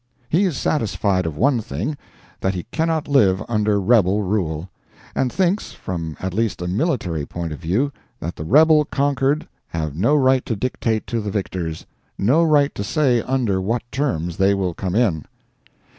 He is satisfied of one thing—that he cannot live under rebel rule; and thinks, from at least a military point of view, that the rebel conquered have no right to dictate to the victors—no right to say under what terms they will come in.